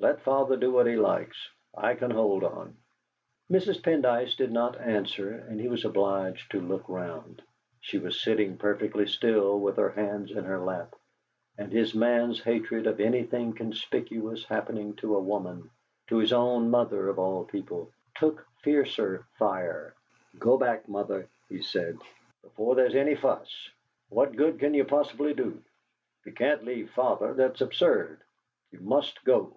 Let father do what he likes; I can hold on!" Mrs. Pendyce did not answer, and he was obliged to look round. She was sitting perfectly still with her hands in her lap, and his man's hatred of anything conspicuous happening to a woman, to his own mother of all people, took fiercer fire. "Go back!" he repeated, "before there's any fuss! What good can you possibly do? You can't leave father; that's absurd! You must go!"